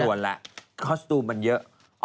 จวนแล้วจวนแล้วคอสตูมมันเยอะ